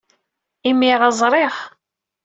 Imir-a ẓriɣ.